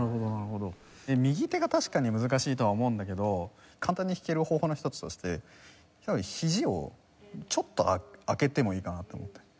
右手が確かに難しいとは思うんだけど簡単に弾ける方法の一つとしてひじをちょっと開けてもいいかなって思って。